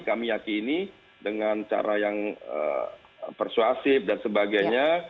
kami yakini dengan cara yang persuasif dan sebagainya